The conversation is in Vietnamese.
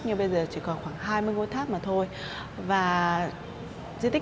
nhưng bây giờ chỉ còn khoảng hai mươi ngôi tháp mà thôi